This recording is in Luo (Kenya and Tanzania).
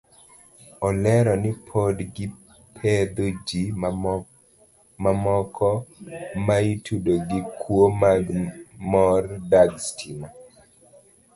Olero ni pod gipedho ji mamoko maitudo gi kuo mag mor dag stima.